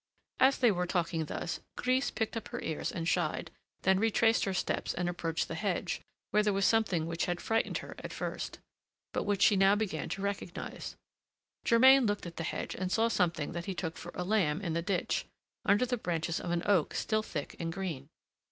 As they were talking thus, Grise pricked up her ears and shied, then retraced her steps and approached the hedge, where there was something which had frightened her at first, but which she now began to recognize. Germain looked at the hedge and saw something that he took for a lamb in the ditch, under the branches of an oak still thick and green.